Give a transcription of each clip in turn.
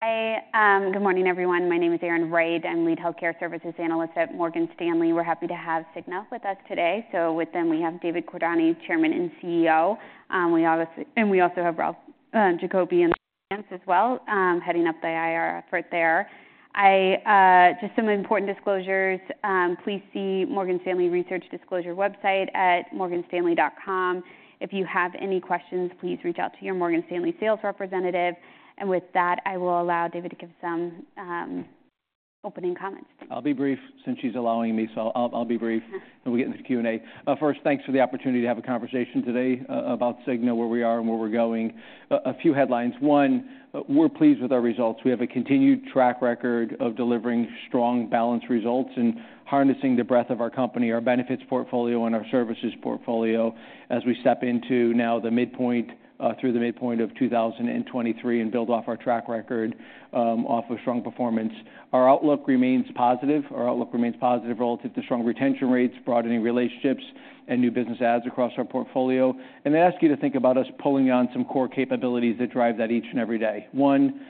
Hi, good morning, everyone. My name is Erin Wright. I'm Lead Healthcare Services Analyst at Morgan Stanley. We're happy to have Cigna with us today. With them, we have David Cordani, Chairman and CEO. We obviously and we also have Ralph Giacobbe, and Lance as well, heading up the IR effort there. I just some important disclosures, please see Morgan Stanley Research Disclosure website at morganstanley.com. If you have any questions, please reach out to your Morgan Stanley sales representative. With that, I will allow David to give some opening comments. I'll be brief, since she's allowing me, so I'll be brief, and we'll get into the Q&A. First, thanks for the opportunity to have a conversation today about Cigna, where we are and where we're going. A few headlines: one, we're pleased with our results. We have a continued track record of delivering strong balance results and harnessing the breadth of our company, our benefits portfolio, and our services portfolio as we step into now the midpoint through the midpoint of 2023, and build off our track record off a strong performance. Our outlook remains positive. Our outlook remains positive relative to strong retention rates, broadening relationships, and new business ads across our portfolio. And I ask you to think about us pulling on some core capabilities that drive that each and every day. One,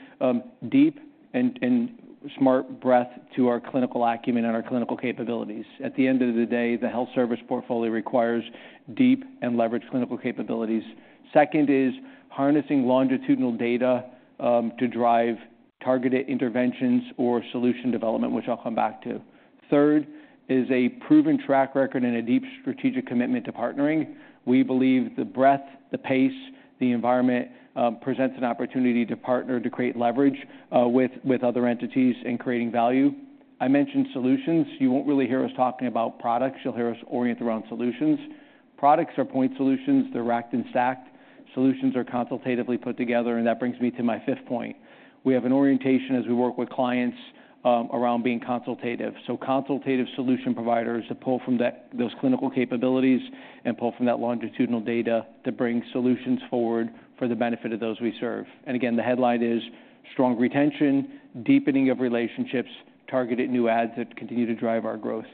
deep and smart breadth to our clinical acumen and our clinical capabilities. At the end of the day, the health service portfolio requires deep and leveraged clinical capabilities. Second is harnessing longitudinal data to drive targeted interventions or solution development, which I'll come back to. Third is a proven track record and a deep strategic commitment to partnering. We believe the breadth, the pace, the environment presents an opportunity to partner, to create leverage with other entities in creating value. I mentioned solutions. You won't really hear us talking about products. You'll hear us orient around solutions. Products are point solutions, they're racked and stacked. Solutions are consultatively put together, and that brings me to my fifth point. We have an orientation as we work with clients around being consultative. So consultative solution providers that pull from that, those clinical capabilities and pull from that longitudinal data to bring solutions forward for the benefit of those we serve. Again, the headline is: strong retention, deepening of relationships, targeted new adds that continue to drive our growth.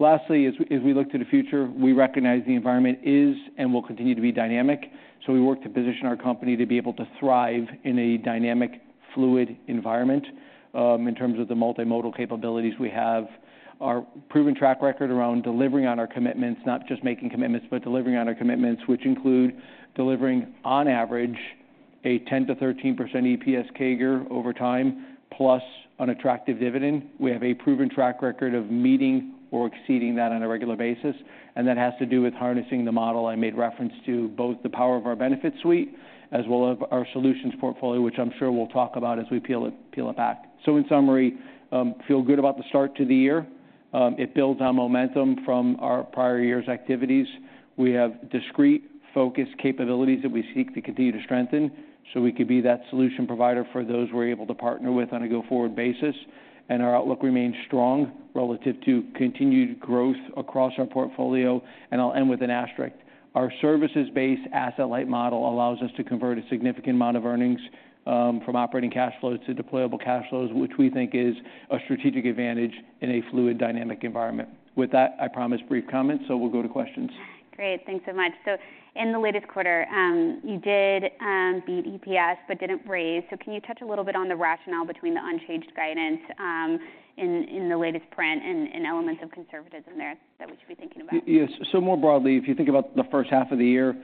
Lastly, as we look to the future, we recognize the environment is and will continue to be dynamic, so we work to position our company to be able to thrive in a dynamic, fluid environment, in terms of the multimodal capabilities we have. Our proven track record around delivering on our commitments, not just making commitments, but delivering on our commitments, which include delivering, on average, a 10%-13% EPS CAGR over time, plus an attractive dividend. We have a proven track record of meeting or exceeding that on a regular basis, and that has to do with harnessing the model I made reference to, both the power of our benefit suite as well as our solutions portfolio, which I'm sure we'll talk about as we peel it back. So in summary, feel good about the start to the year. It builds on momentum from our prior year's activities. We have discrete focus capabilities that we seek to continue to strengthen, so we could be that solution provider for those we're able to partner with on a go-forward basis. And our outlook remains strong relative to continued growth across our portfolio, and I'll end with an asterisk. Our services-based asset-light model allows us to convert a significant amount of earnings from operating cash flows to deployable cash flows, which we think is a strategic advantage in a fluid, dynamic environment. With that, I promised brief comments, so we'll go to questions. Great. Thanks so much. So in the latest quarter, you did beat EPS but didn't raise. So can you touch a little bit on the rationale between the unchanged guidance in the latest print and elements of conservatism there that we should be thinking about? Yes. So more broadly, if you think about the first half of the year,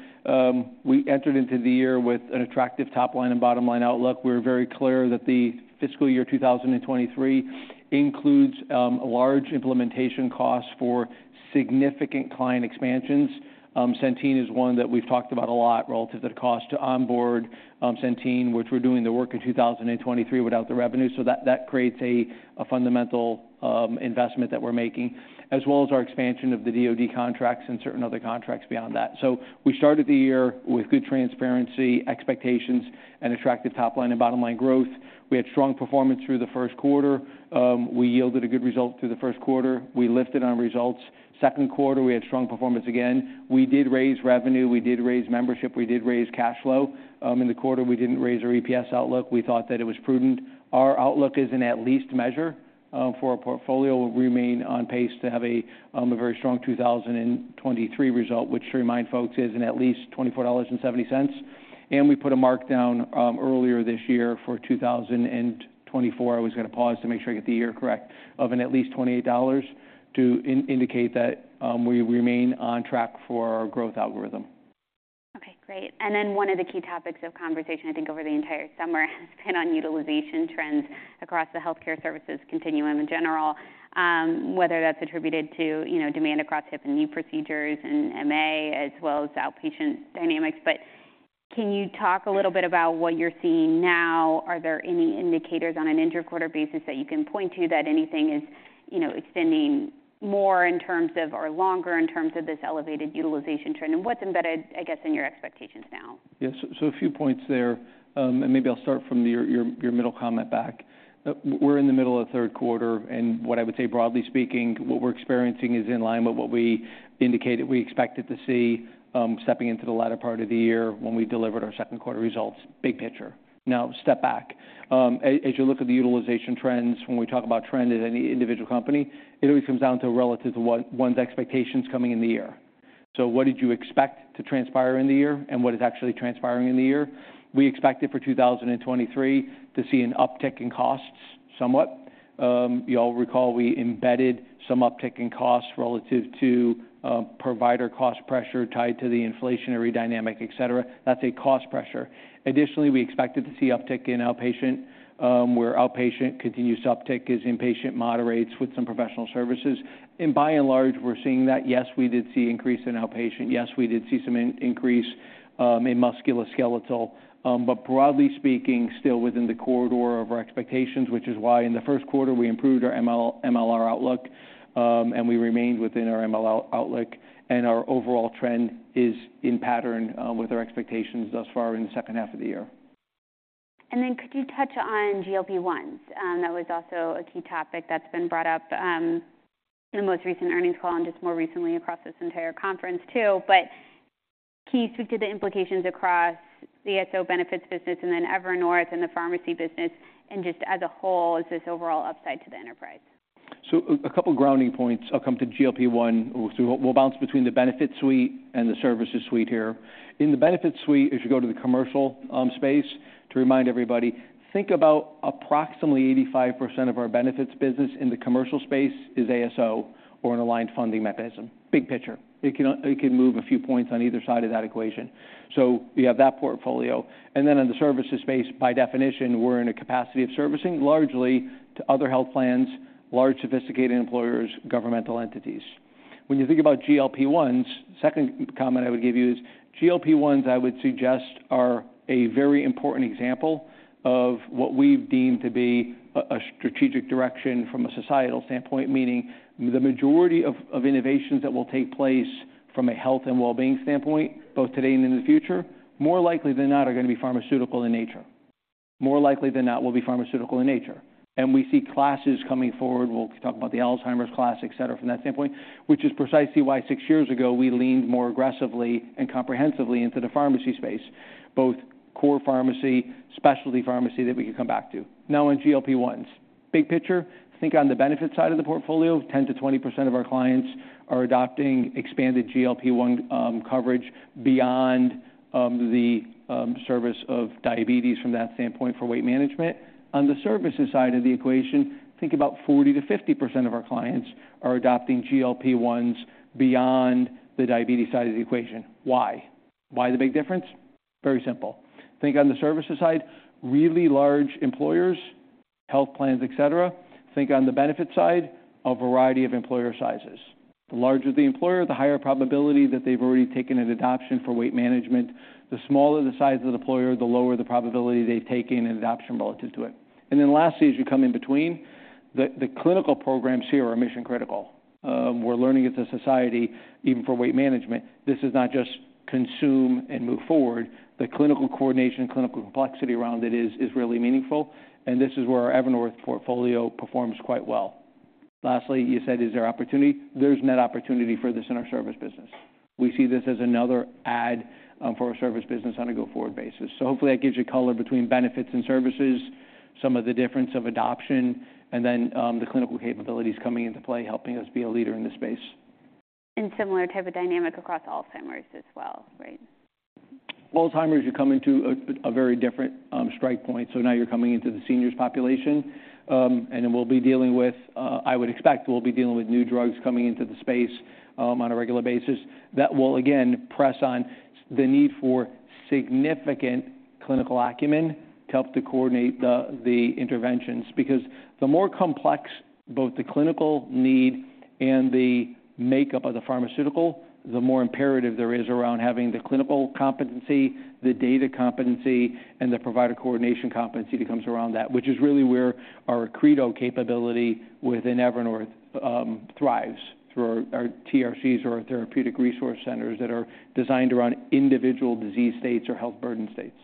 we entered into the year with an attractive top-line and bottom-line outlook. We're very clear that the fiscal year 2023 includes a large implementation cost for significant client expansions. Centene is one that we've talked about a lot relative to the cost to onboard Centene, which we're doing the work in 2023 without the revenue. So that creates a fundamental investment that we're making, as well as our expansion of the DoD contracts and certain other contracts beyond that. So we started the year with good transparency, expectations, and attractive top-line and bottom-line growth. We had strong performance through the first quarter. We yielded a good result through the first quarter. We lifted our results. Second quarter, we had strong performance again. We did raise revenue, we did raise membership, we did raise cash flow. In the quarter, we didn't raise our EPS outlook. We thought that it was prudent. Our outlook is in at least measure, for our portfolio, will remain on pace to have a, a very strong 2023 result, which to remind folks, is in at least $24.70. And we put a markdown, earlier this year for 2024, I was going to pause to make sure I get the year correct, of at least $28 to indicate that, we remain on track for our growth algorithm. Okay, great. And then one of the key topics of conversation, I think, over the entire summer has been on utilization trends across the healthcare services continuum in general, whether that's attributed to, you know, demand across hip and knee procedures and MA, as well as outpatient dynamics. But can you talk a little bit about what you're seeing now? Are there any indicators on an interquarter basis that you can point to that anything is, you know, extending more in terms of or longer in terms of this elevated utilization trend? And what's embedded, I guess, in your expectations now? Yes, so a few points there, and maybe I'll start from your middle comment back. We're in the middle of the third quarter, and what I would say, broadly speaking, what we're experiencing is in line with what we indicated we expected to see, stepping into the latter part of the year when we delivered our second quarter results. Big picture. Now, step back. As you look at the utilization trends, when we talk about trend at any individual company, it always comes down to relative to one's expectations coming in the year. So what did you expect to transpire in the year, and what is actually transpiring in the year? We expected for 2023 to see an uptick in costs somewhat. You all recall we embedded some uptick in costs relative to provider cost pressure tied to the inflationary dynamic, et cetera. That's a cost pressure. Additionally, we expected to see uptick in outpatient, where outpatient continues to uptick as inpatient moderates with some professional services. And by and large, we're seeing that, yes, we did see increase in outpatient. Yes, we did see some increase in musculoskeletal, but broadly speaking, still within the corridor of our expectations, which is why in the first quarter, we improved our MLR outlook, and we remained within our MLR outlook, and our overall trend is in pattern with our expectations thus far in the second half of the year. Then could you touch on GLP-1s? That was also a key topic that's been brought up in the most recent earnings call and just more recently across this entire conference, too. But can you speak to the implications across the ASO benefits business and then Evernorth and the pharmacy business, and just as a whole, is this overall upside to the enterprise? So, a couple grounding points. I'll come to GLP-1. So we'll bounce between the benefit suite and the services suite here. In the benefit suite, as you go to the commercial space, to remind everybody, think about approximately 85% of our benefits business in the commercial space is ASO or an aligned funding mechanism. Big picture. It can move a few points on either side of that equation. So you have that portfolio, and then in the services space, by definition, we're in a capacity of servicing largely to other health plans, large, sophisticated employers, governmental entities. When you think about GLP-1s, second comment I would give you is GLP-1s, I would suggest, are a very important example of what we've deemed to be a strategic direction from a societal standpoint, meaning the majority of innovations that will take place from a health and well-being standpoint, both today and in the future, more likely than not, are going to be pharmaceutical in nature. More likely than not will be pharmaceutical in nature. And we see classes coming forward. We'll talk about the Alzheimer's class, et cetera, from that standpoint, which is precisely why six years ago, we leaned more aggressively and comprehensively into the pharmacy space, both core pharmacy, specialty pharmacy, that we can come back to. Now on GLP-1s, big picture, think on the benefit side of the portfolio, 10%-20% of our clients are adopting expanded GLP-1 coverage beyond the service of diabetes from that standpoint for weight management. On the services side of the equation, think about 40%-50% of our clients are adopting GLP-1s beyond the diabetes side of the equation. Why? Why the big difference? Very simple. Think on the services side, really large employers, health plans, et cetera. Think on the benefit side, a variety of employer sizes. The larger the employer, the higher probability that they've already taken an adoption for weight management. The smaller the size of the employer, the lower the probability they've taken an adoption relative to it. And then lastly, as you come in between, the clinical programs here are mission-critical. We're learning as a society, even for weight management, this is not just consume and move forward. The clinical coordination, clinical complexity around it is really meaningful, and this is where our Evernorth portfolio performs quite well. Lastly, you said, is there opportunity? There's net opportunity for this in our service business. We see this as another add for our service business on a go-forward basis. So hopefully, that gives you color between benefits and services, some of the difference of adoption, and then the clinical capabilities coming into play, helping us be a leader in this space. Similar type of dynamic across Alzheimer's as well, right? Alzheimer's, you come into a very different strike point, so now you're coming into the seniors population. And then we'll be dealing with. I would expect we'll be dealing with new drugs coming into the space on a regular basis. That will again press on the need for significant clinical acumen to help to coordinate the interventions, because the more complex both the clinical need and the makeup of the pharmaceutical, the more imperative there is around having the clinical competency, the data competency, and the provider coordination competency that comes around that, which is really where our Accredo capability within Evernorth thrives, through our TRCs or Therapeutic Resource Centers that are designed around individual disease states or health burden states.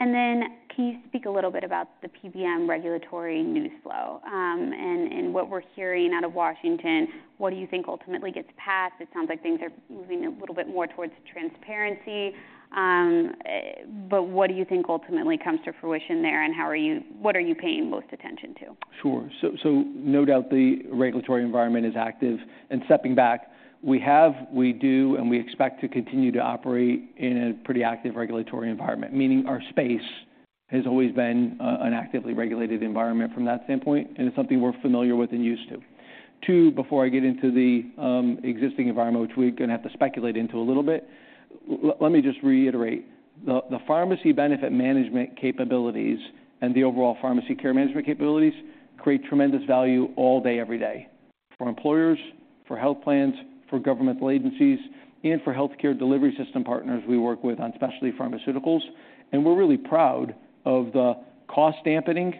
Then can you speak a little bit about the PBM regulatory news flow, and what we're hearing out of Washington? What do you think ultimately gets passed? It sounds like things are moving a little bit more towards transparency, but what do you think ultimately comes to fruition there, and how are you - what are you paying most attention to? Sure. So, so no doubt, the regulatory environment is active. Stepping back, we have, we do, and we expect to continue to operate in a pretty active regulatory environment, meaning our space has always been an actively regulated environment from that standpoint, and it's something we're familiar with and used to. Two, before I get into the existing environment, which we're going to have to speculate into a little bit, let me just reiterate, the pharmacy benefit management capabilities and the overall pharmacy care management capabilities create tremendous value all day, every day for employers, for health plans, for governmental agencies, and for healthcare delivery system partners we work with on specialty pharmaceuticals. We're really proud of the cost dampening,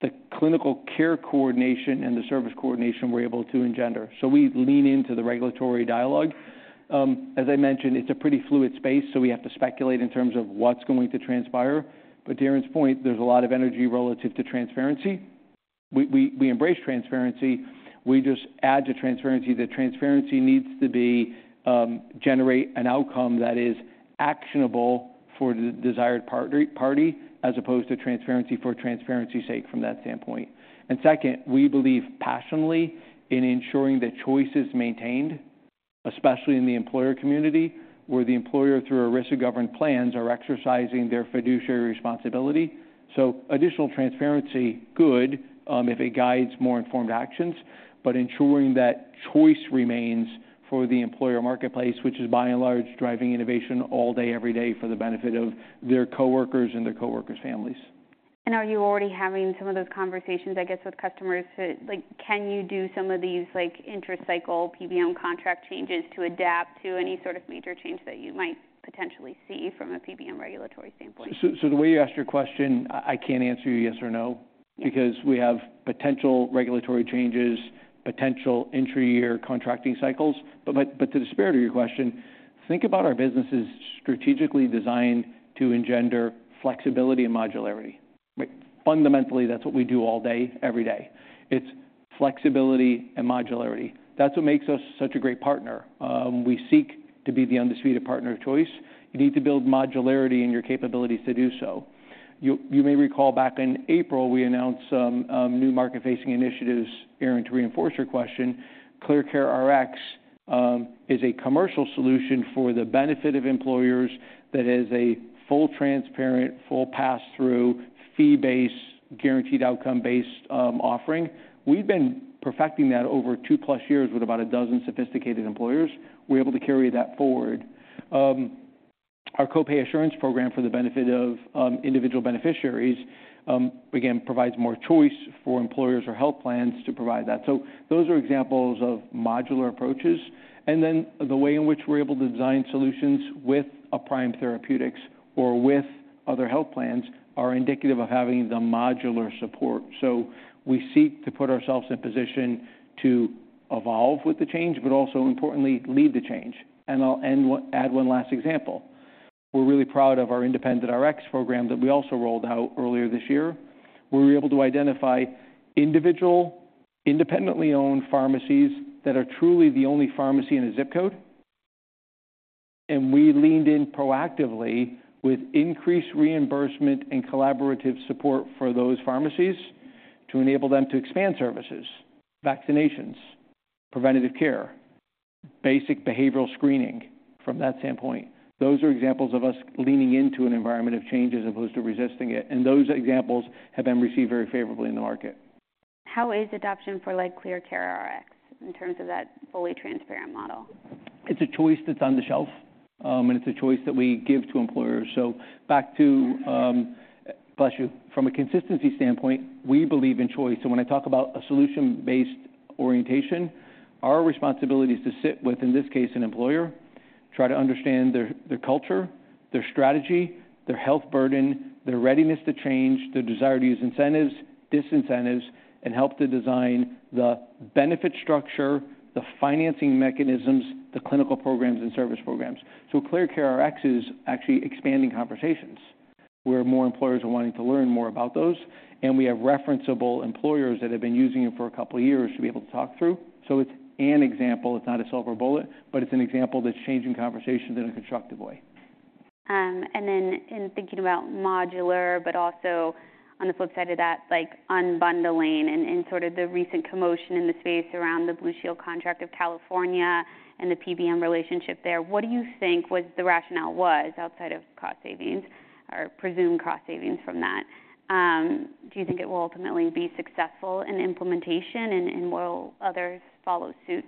the clinical care coordination, and the service coordination we're able to engender. So we lean into the regulatory dialogue. As I mentioned, it's a pretty fluid space, so we have to speculate in terms of what's going to transpire. But to Erin's point, there's a lot of energy relative to transparency. We embrace transparency. We just add to transparency that transparency needs to be generate an outcome that is actionable for the desired party, as opposed to transparency for transparency's sake from that standpoint. And second, we believe passionately in ensuring that choice is maintained, especially in the employer community, where the employer, through ERISA-governed plans, are exercising their fiduciary responsibility. So additional transparency, good, if it guides more informed actions, but ensuring that choice remains for the employer marketplace, which is by and large driving innovation all day, every day for the benefit of their coworkers and their coworkers' families. Are you already having some of those conversations, I guess, with customers to, like, can you do some of these, like, intercycle PBM contract changes to adapt to any sort of major change that you might potentially see from a PBM regulatory standpoint? The way you asked your question, I can't answer you yes or no. Because we have potential regulatory changes, potential entry or contracting cycles. But to the spirit of your question, think about our business as strategically designed to engender flexibility and modularity. Like, fundamentally, that's what we do all day, every day. It's flexibility and modularity. That's what makes us such a great partner. We seek to be the undisputed partner of choice. You need to build modularity in your capabilities to do so. You may recall back in April, we announced some new market-facing initiatives. Erin, to reinforce your question, ClearCareRx is a commercial solution for the benefit of employers that is a full, transparent, full pass-through, fee-based, guaranteed outcome-based offering. We've been perfecting that over two plus years with about a dozen sophisticated employers. We're able to carry that forward. Our Copay Assurance program for the benefit of individual beneficiaries, again, provides more choice for employers or health plans to provide that. So those are examples of modular approaches, and then the way in which we're able to design solutions with a Prime Therapeutics or with other health plans, are indicative of having the modular support. So we seek to put ourselves in position to evolve with the change, but also importantly, lead the change. And I'll end one-- add one last example. We're really proud of our IndependentRx program that we also rolled out earlier this year, where we were able to identify individual, independently owned pharmacies that are truly the only pharmacy in a ZIP code.. We leaned in proactively with increased reimbursement and collaborative support for those pharmacies to enable them to expand services, vaccinations, preventative care, basic behavioral screening from that standpoint. Those are examples of us leaning into an environment of change as opposed to resisting it, and those examples have been received very favorably in the market. How is adoption for, like, ClearCareRx in terms of that fully transparent model? It's a choice that's on the shelf, and it's a choice that we give to employers. So back to, bless you. From a consistency standpoint, we believe in choice, and when I talk about a solution-based orientation, our responsibility is to sit with, in this case, an employer, try to understand their culture, their strategy, their health burden, their readiness to change, their desire to use incentives, disincentives, and help to design the benefit structure, the financing mechanisms, the clinical programs, and service programs. So ClearCareRx is actually expanding conversations, where more employers are wanting to learn more about those, and we have referenceable employers that have been using it for a couple of years to be able to talk through. So it's an example, it's not a silver bullet, but it's an example that's changing conversations in a constructive way. And then in thinking about modular, but also on the flip side of that, like unbundling and sort of the recent commotion in the space around the Blue Shield of California contract and the PBM relationship there, what do you think was... the rationale was, outside of cost savings or presumed cost savings from that? Do you think it will ultimately be successful in implementation, and will others follow suit?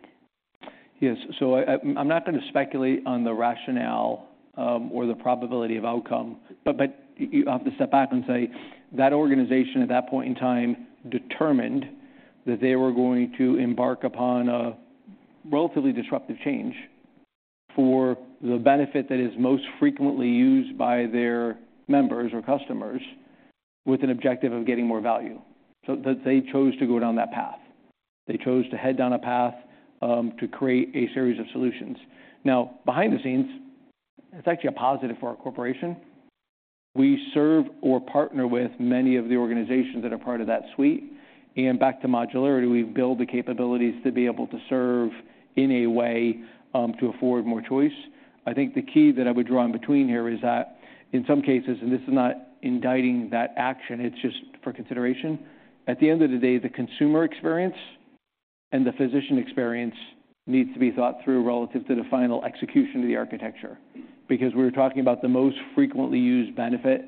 Yes. So I, I'm not going to speculate on the rationale, or the probability of outcome, but you have to step back and say that organization, at that point in time, determined that they were going to embark upon a relatively disruptive change for the benefit that is most frequently used by their members or customers, with an objective of getting more value. So they chose to go down that path. They chose to head down a path, to create a series of solutions. Now, behind the scenes, it's actually a positive for our corporation. We serve or partner with many of the organizations that are part of that suite, and back to modularity, we've built the capabilities to be able to serve in a way, to afford more choice. I think the key that I would draw in between here is that in some cases, and this is not indicating that action, it's just for consideration, at the end of the day, the consumer experience and the physician experience needs to be thought through relative to the final execution of the architecture. Because we're talking about the most frequently used benefit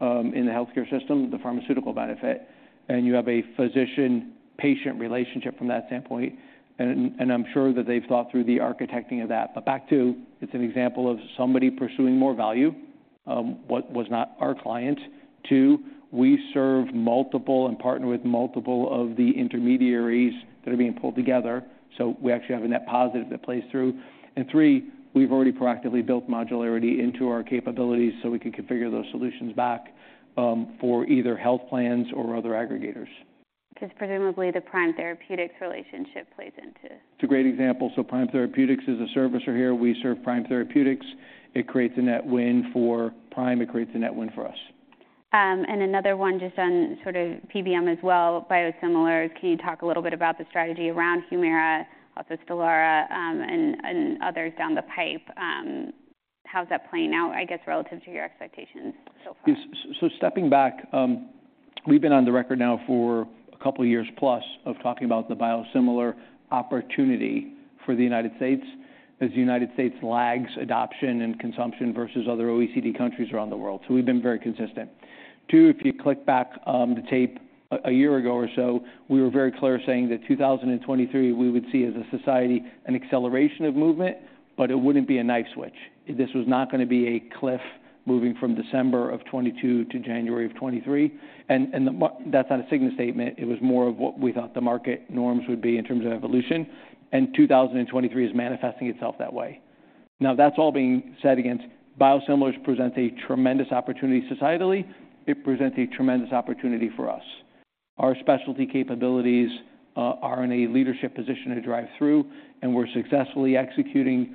in the healthcare system, the pharmaceutical benefit, and you have a physician-patient relationship from that standpoint, and, and I'm sure that they've thought through the architecting of that. But back to, it's an example of somebody pursuing more value, what was not our client. Two, we serve multiple and partner with multiple of the intermediaries that are being pulled together, so we actually have a net positive that plays through. Three, we've already proactively built modularity into our capabilities so we can configure those solutions back for either health plans or other aggregators. Because presumably the Prime Therapeutics relationship plays into- It's a great example. So Prime Therapeutics is a servicer here. We serve Prime Therapeutics. It creates a net win for Prime. It creates a net win for us. Another one just on sort of PBM as well, biosimilars. Can you talk a little bit about the strategy around Humira, also Stelara, and others down the pipe? How's that playing out, I guess, relative to your expectations so far? Yes. So stepping back... We've been on the record now for a couple of years plus of talking about the biosimilar opportunity for the United States, as the United States lags adoption and consumption versus other OECD countries around the world. So we've been very consistent. Two, if you click back, the tape a year ago or so, we were very clear saying that 2023, we would see as a society, an acceleration of movement, but it wouldn't be a night switch. This was not going to be a cliff moving from December of 2022 to January of 2023, and, and that's not a Cigna statement. It was more of what we thought the market norms would be in terms of evolution, and 2023 is manifesting itself that way. Now, that's all being said against biosimilars present a tremendous opportunity societally. It presents a tremendous opportunity for us. Our specialty capabilities, are in a leadership position to drive through, and we're successfully executing,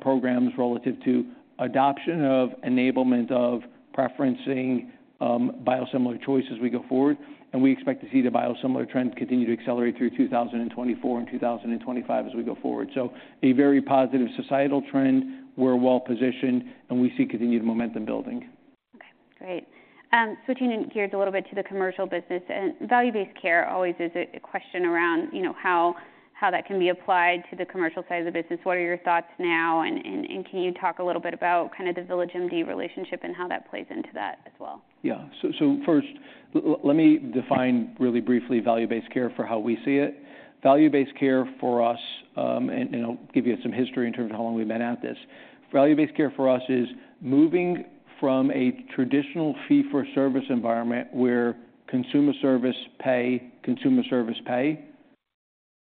programs relative to adoption of enablement of preferencing, biosimilar choice as we go forward. And we expect to see the biosimilar trends continue to accelerate through 2024 and 2025 as we go forward. So a very positive societal trend. We're well-positioned, and we see continued momentum building. Okay, great. Switching gears a little bit to the commercial business, and value-based care always is a question around, you know, how that can be applied to the commercial side of the business. What are your thoughts now, and can you talk a little bit about kind of the VillageMD relationship and how that plays into that as well? Yeah. So first, let me define really briefly value-based care for how we see it. Value-based care for us, and I'll give you some history in terms of how long we've been at this. Value-based care for us is moving from a traditional fee-for-service environment where fee-for-service pay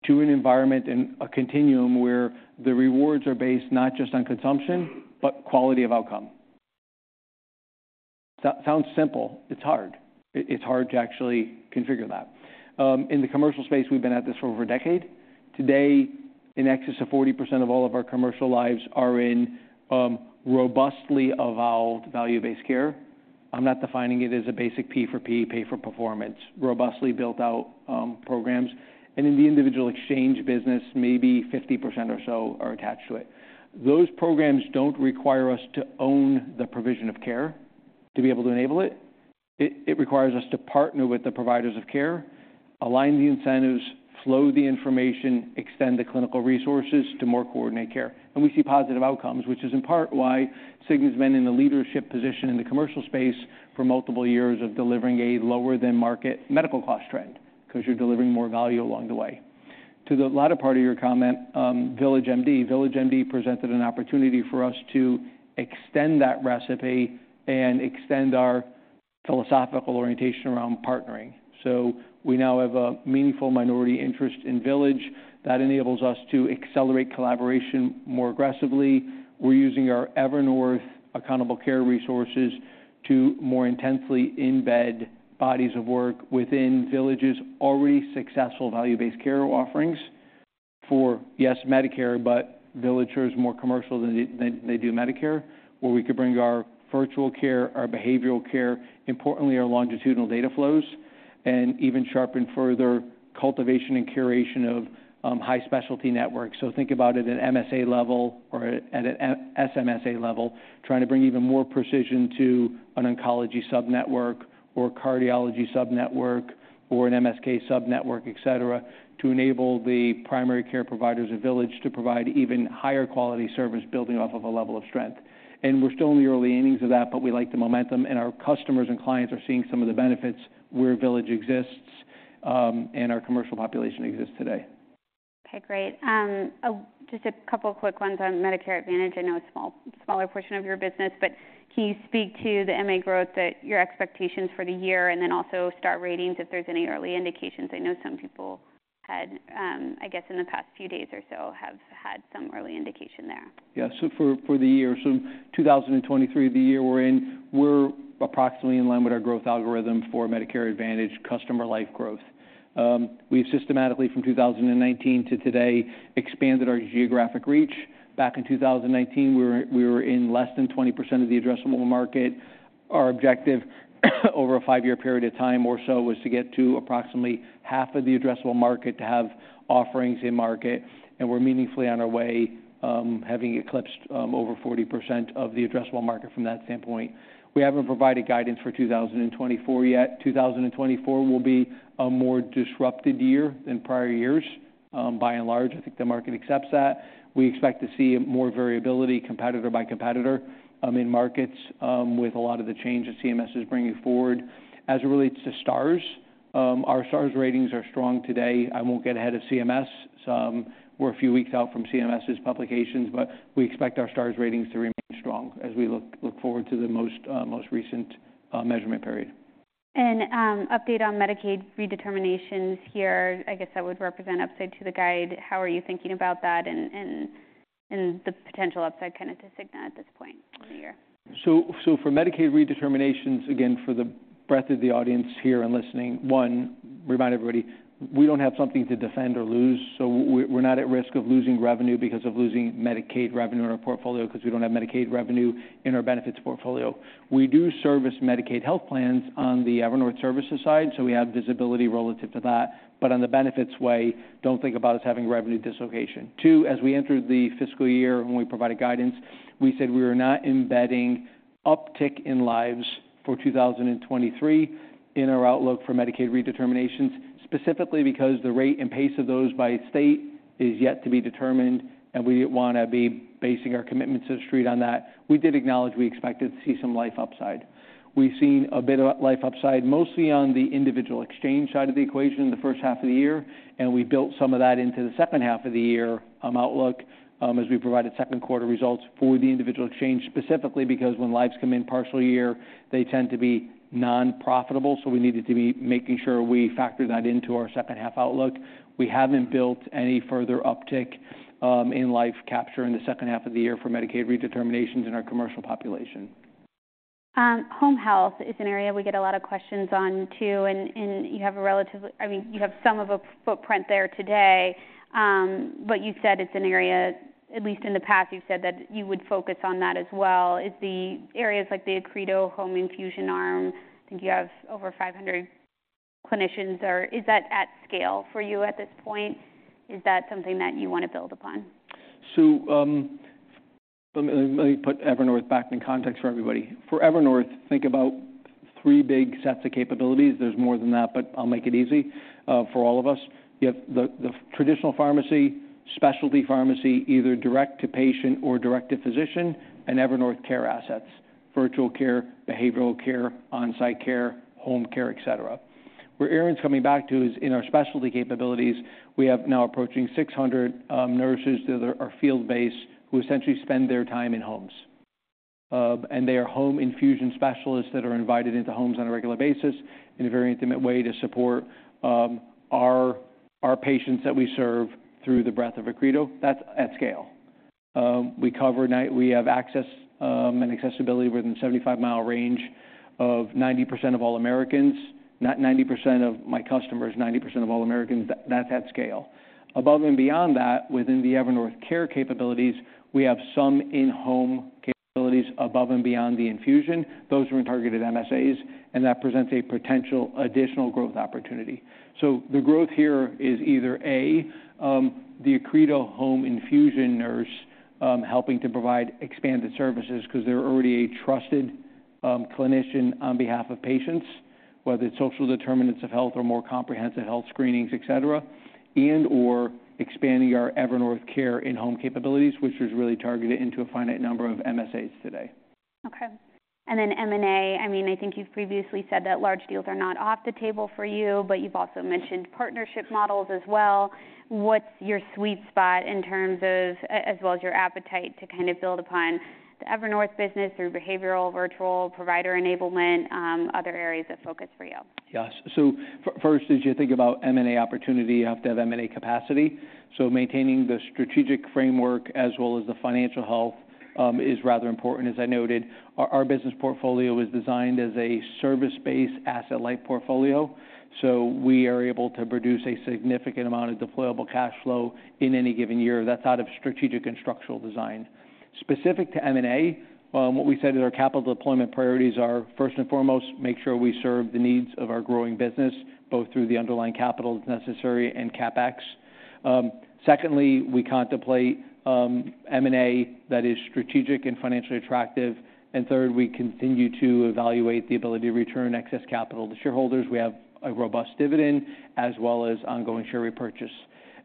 to an environment and a continuum where the rewards are based not just on consumption, but quality of outcome. Sounds simple, it's hard. It's hard to actually configure that. In the commercial space, we've been at this for over a decade. Today, in excess of 40% of all of our commercial lives are in robustly avowed value-based care. I'm not defining it as a basic P for P, pay for performance, robustly built out programs, and in the individual exchange business, maybe 50% or so are attached to it. Those programs don't require us to own the provision of care to be able to enable it. It requires us to partner with the providers of care, align the incentives, flow the information, extend the clinical resources to more coordinate care. And we see positive outcomes, which is in part why Cigna's been in the leadership position in the commercial space for multiple years of delivering a lower-than-market medical cost trend, because you're delivering more value along the way. To the latter part of your comment, VillageMD. VillageMD presented an opportunity for us to extend that recipe and extend our philosophical orientation around partnering. So we now have a meaningful minority interest in Village that enables us to accelerate collaboration more aggressively. We're using our Evernorth accountable care resources to more intensely embed bodies of work within Village's already successful value-based care offerings for, yes, Medicare, but Village is more commercial than they do Medicare, where we could bring our virtual care, our behavioral care, importantly, our longitudinal data flows, and even sharpen further cultivation and curation of high specialty networks. So think about it at an MSA level or at an SMSA level, trying to bring even more precision to an oncology subnetwork or a cardiology subnetwork or an MSK subnetwork, et cetera, to enable the primary care providers of Village to provide even higher quality service, building off of a level of strength. We're still in the early innings of that, but we like the momentum, and our customers and clients are seeing some of the benefits where Village exists, and our commercial population exists today. Okay, great. Just a couple of quick ones on Medicare Advantage. I know a small, smaller portion of your business, but can you speak to the MA growth that your expectations for the year and then also star ratings, if there's any early indications? I know some people had, I guess in the past few days or so, have had some early indication there. Yeah, so for the year, so 2023, the year we're in, we're approximately in line with our growth algorithm for Medicare Advantage customer life growth. We've systematically, from 2019 to today, expanded our geographic reach. Back in 2019, we were in less than 20% of the addressable market. Our objective, over a five-year period of time or so, was to get to approximately half of the addressable market to have offerings in market, and we're meaningfully on our way, having eclipsed over 40% of the addressable market from that standpoint. We haven't provided guidance for 2024 yet. 2024 will be a more disrupted year than prior years. By and large, I think the market accepts that. We expect to see more variability, competitor by competitor, in markets, with a lot of the change that CMS is bringing forward. As it relates to stars, our Star Ratings are strong today. I won't get ahead of CMS. We're a few weeks out from CMS's publications, but we expect our Star Ratings to remain strong as we look forward to the most recent measurement period. Update on Medicaid redeterminations here. I guess that would represent upside to the guide. How are you thinking about that and the potential upside kinda to Cigna at this point?... So, so for Medicaid redeterminations, again, for the breadth of the audience here and listening, one, remind everybody, we don't have something to defend or lose, so we, we're not at risk of losing revenue because of losing Medicaid revenue in our portfolio, 'cause we don't have Medicaid revenue in our benefits portfolio. We do service Medicaid health plans on the Evernorth Services side, so we have visibility relative to that. But on the benefits way, don't think about us having revenue dislocation. Two, as we entered the fiscal year when we provided guidance, we said we were not embedding uptick in lives for 2023 in our outlook for Medicaid redeterminations, specifically because the rate and pace of those by state is yet to be determined, and we didn't wanna be basing our commitment to the street on that. We did acknowledge we expected to see some life upside. We've seen a bit of life upside, mostly on the individual exchange side of the equation in the first half of the year, and we built some of that into the second half of the year, outlook, as we provided second quarter results for the individual exchange, specifically because when lives come in partial year, they tend to be non-profitable, so we needed to be making sure we factor that into our second half outlook. We haven't built any further uptick in life capture in the second half of the year for Medicaid redeterminations in our commercial population. Home health is an area we get a lot of questions on, too, and you have a relatively... I mean, you have some of a footprint there today, but you said it's an area, at least in the past, you've said that you would focus on that as well. Is the areas like the Accredo home infusion arm, I think you have over 500 clinicians, or is that at scale for you at this point? Is that something that you wanna build upon? So, let me put Evernorth back in context for everybody. For Evernorth, think about three big sets of capabilities. There's more than that, but I'll make it easy for all of us. You have the traditional pharmacy, specialty pharmacy, either direct to patient or direct to physician, and Evernorth care assets, virtual care, behavioral care, on-site care, home care, et cetera. Where Erin's coming back to is in our specialty capabilities, we have now approaching 600 nurses that are field-based, who essentially spend their time in homes. And they are home infusion specialists that are invited into homes on a regular basis in a very intimate way to support our patients that we serve through the breadth of Accredo. That's at scale. We cover nine-- We have access and accessibility within 75-mile range of 90% of all Americans. Not 90% of my customers, 90% of all Americans. That's at scale. Above and beyond that, within the Evernorth care capabilities, we have some in-home capabilities above and beyond the infusion. Those are in targeted MSAs, and that presents a potential additional growth opportunity. So the growth here is either, A, the Accredo home infusion nurse helping to provide expanded services because they're already a trusted clinician on behalf of patients, whether it's social determinants of health or more comprehensive health screenings, et cetera, and/or expanding our Evernorth care in-home capabilities, which is really targeted into a finite number of MSAs today. Okay. And then M&A, I mean, I think you've previously said that large deals are not off the table for you, but you've also mentioned partnership models as well. What's your sweet spot in terms of, as well as your appetite to kind of build upon the Evernorth business through behavioral, virtual, provider enablement, other areas of focus for you? Yes. So first, as you think about M&A opportunity, you have to have M&A capacity. So maintaining the strategic framework as well as the financial health is rather important. As I noted, our business portfolio is designed as a service-based, asset-light portfolio, so we are able to produce a significant amount of deployable cash flow in any given year. That's out of strategic and structural design. Specific to M&A, what we said is our capital deployment priorities are, first and foremost, make sure we serve the needs of our growing business, both through the underlying capital necessary and CapEx. Secondly, we contemplate M&A that is strategic and financially attractive. And third, we continue to evaluate the ability to return excess capital to shareholders. We have a robust dividend, as well as ongoing share repurchase.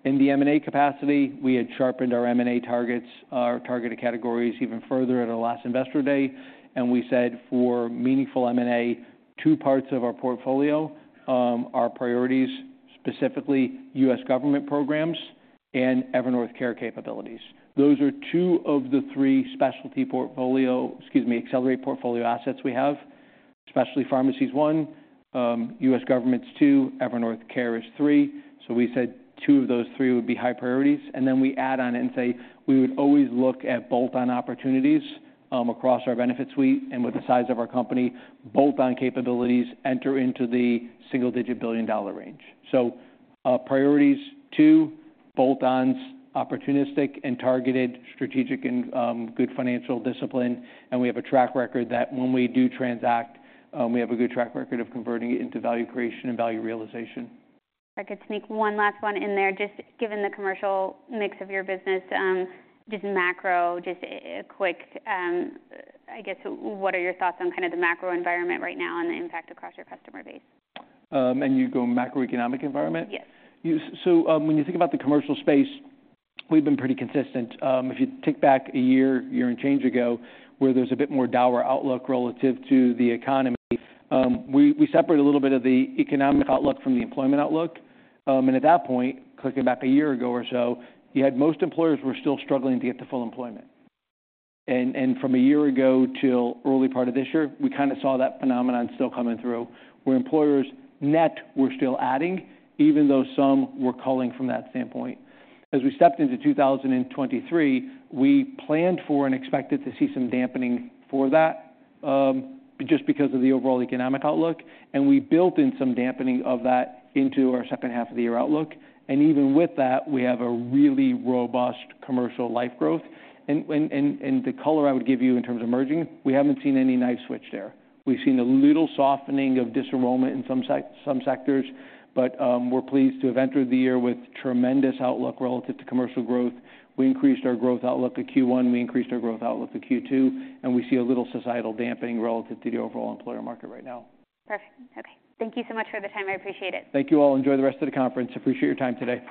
In the M&A capacity, we had sharpened our M&A targets, our targeted categories, even further at our last Investor Day, and we said, for meaningful M&A, two parts of our portfolio, are priorities, specifically U.S. government programs and Evernorth care capabilities. Those are two of the three specialty portfolio, excuse me, Evernorth portfolio assets we have. Specialty pharmacy is one, U.S. government's two, Evernorth care is three. So we said two of those three would be high priorities, and then we add on and say we would always look at bolt-on opportunities, across our benefit suite and with the size of our company, bolt-on capabilities enter into the single-digit billion-dollar range. So, priorities: two bolt-ons, opportunistic and targeted, strategic, and good financial discipline. We have a good track record that when we do transact, we have a good track record of converting it into value creation and value realization. If I could sneak one last one in there, just given the commercial mix of your business, just macro, a quick... I guess, what are your thoughts on kind of the macro environment right now and the impact across your customer base? And you go macroeconomic environment? Yes. So, when you think about the commercial space, we've been pretty consistent. If you take back a year, year and change ago, where there's a bit more dour outlook relative to the economy, we separate a little bit of the economic outlook from the employment outlook. And at that point, looking back a year ago or so, you had most employers were still struggling to get to full employment. And from a year ago till early part of this year, we kinda saw that phenomenon still coming through, where employers net were still adding, even though some were culling from that standpoint. As we stepped into 2023, we planned for and expected to see some dampening for that, just because of the overall economic outlook, and we built in some dampening of that into our second half of the year outlook. Even with that, we have a really robust commercial life growth. And the color I would give you in terms of margins, we haven't seen any light switch there. We've seen a little softening of disenrollment in some sectors, but, we're pleased to have entered the year with tremendous outlook relative to commercial growth. We increased our growth outlook at Q1, we increased our growth outlook at Q2, and we see a little societal damping relative to the overall employer market right now. Perfect. Okay. Thank you so much for the time. I appreciate it. Thank you all. Enjoy the rest of the conference. Appreciate your time today.